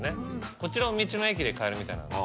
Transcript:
こちらも道の駅で買えるみたいなんです。